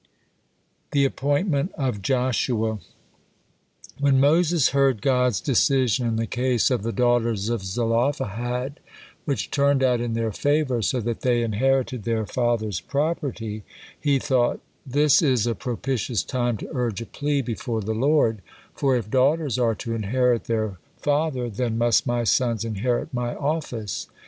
'" THE APPOINTMENT OF JOSHUA When Moses heard God's decision in the case of the daughters of Zelophehad, which turned out in their favor so that they inherited their father's property, he thought, "This s a propitious time to urge a plea before the Lord, for if daughters are to inherit their father, then must my sons inherit my office."